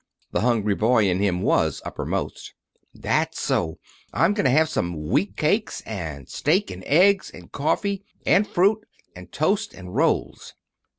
The hungry boy in him was uppermost. "That's so. I'm going to have some wheat cakes, and steak, and eggs, and coffee, and fruit, and toast, and rolls."